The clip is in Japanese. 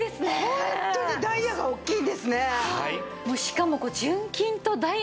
ホントにダイヤが大きいんですね。